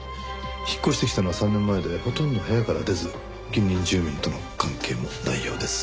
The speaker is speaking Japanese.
引っ越してきたのは３年前でほとんど部屋から出ず近隣住民との関係もないようです。